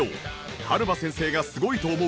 春場先生がすごいと思う